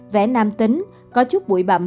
vẽ nam tính có chút bụi bậm